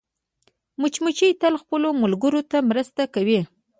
مچمچۍ تل خپلو ملګرو ته مرسته کوي